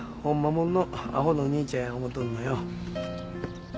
もんのアホの兄ちゃんや思うとんのよ。